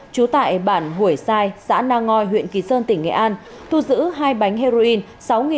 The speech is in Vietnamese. trú tại bản hủy sai xã na ngoi huyện kỳ sơn tỉnh nghệ an thu giữ hai bánh heroin